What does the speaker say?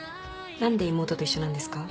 何で妹と一緒なんですか？